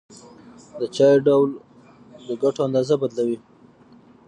د چای ډول د ګټو اندازه بدلوي.